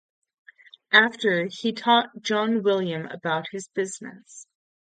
After, he taught John William about his business.